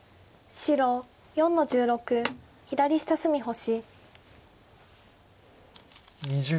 白１６の十六右下隅星。